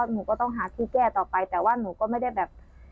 หนูก็ต้องหาที่แก้ต่อไปแต่ว่าหนูก็ไม่ได้แบบ